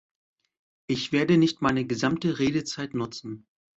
Ich werde nicht meine gesamte Redezeit nutzen.